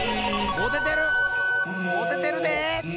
もててる！モ！